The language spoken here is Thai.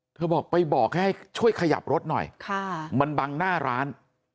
บอกไปบอกให้ช่วยขยับรถหน่อยมันบังหน้าร้าน